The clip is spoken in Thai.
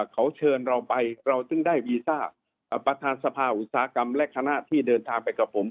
เขาเชิญเราไปเราถึงได้วีซ่าประธานสภาอุตสาหกรรมและคณะที่เดินทางไปกับผม